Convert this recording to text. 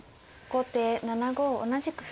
後手７五同じく歩。